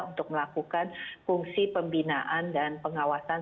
untuk melakukan fungsi pembinaan dan pengawasan